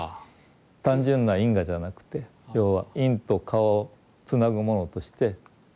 単純な因果じゃなくて要は因と果をつなぐものとして縁があると。